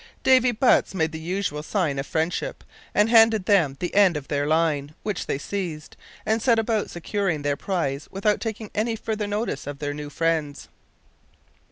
Davy Butts made the usual sign of friendship and handed them the end of their line, which they seized, and set about securing their prize without taking any farther notice of their new friends.